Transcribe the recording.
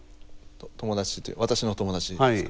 友達私の友達ですか？